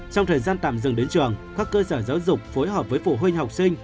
trong thời gian tạm dừng đến trường các cơ sở giáo dục phối hợp với phụ huynh học sinh